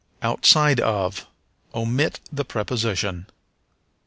Outside of. Omit the preposition.